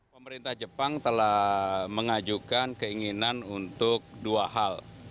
pemerintah jepang telah mengajukan keinginan untuk dua hal